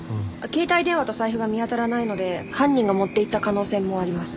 携帯電話と財布が見当たらないので犯人が持っていった可能性もあります。